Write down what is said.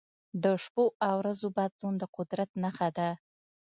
د شپو او ورځو بدلون د قدرت نښه ده.